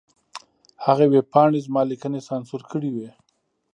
هغې ویبپاڼې زما لیکنې سانسور کړې وې.